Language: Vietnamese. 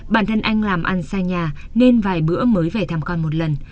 bản thân anh làm ăn xa nhà nên vài bữa mới về thăm con một lần